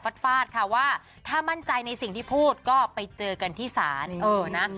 ฟาดค่ะว่าถ้ามั่นใจในสิ่งที่พูดก็ไปเจอกันที่ศาลเออนะ